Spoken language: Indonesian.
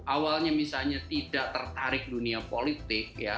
awalnya misalnya tidak tertarik dunia politik ya